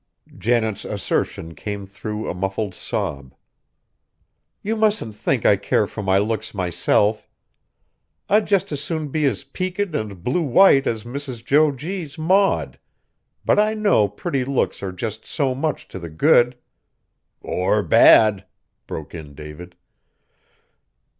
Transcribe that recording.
Janet's assertion came through a muffled sob. "You mustn't think I care for my looks myself. I'd just as soon be as peaked and blue white as Mrs. Jo G.'s Maud, but I know pretty looks are just so much to the good " "Or bad!" broke in David.